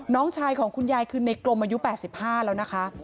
น้องชายของคุณยายคือในกลมอายุ๘๕แล้วนะคะ